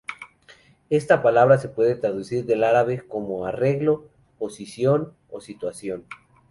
Esta palabra se puede traducir del árabe como "arreglo", "posición" o "situación".